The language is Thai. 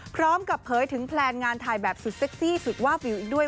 พร้อมกับเผยถึงแพลนงานถ่ายแบบสุดเซ็กซี่สุดวาบวิวอีกด้วย